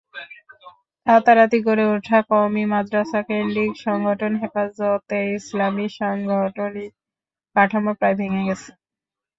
রাতারাতি গড়ে ওঠা কওমি মাদ্রাসাকেন্দ্রিক সংগঠন হেফাজতে ইসলামের সাংগঠনিক কাঠামো প্রায় ভেঙে গেছে।